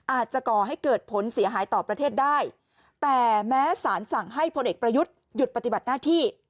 ก่อให้เกิดผลเสียหายต่อประเทศได้แต่แม้สารสั่งให้พลเอกประยุทธ์หยุดปฏิบัติหน้าที่